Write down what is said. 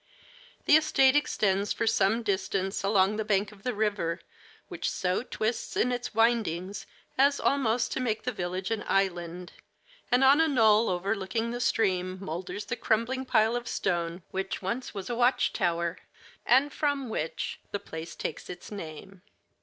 The estate extends for some distance along the bank of the river, which so twists in its windings as almost to make the village an island, and on a knoll overlooking the stream moulders the crumbling pile of stone which once was a watch tower, and from which the place takes its name.